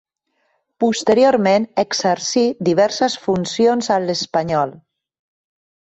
Posteriorment exercí diverses funcions a l'Espanyol.